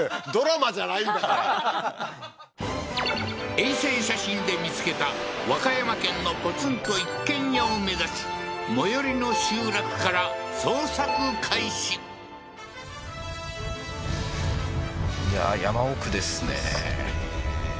衛星写真で見つけた和歌山県のポツンと一軒家を目指し最寄りの集落から捜索開始ですね